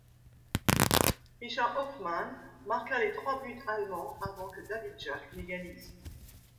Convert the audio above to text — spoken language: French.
Richard Hofmann marqua les trois buts allemands avant que David Jack n'égalise.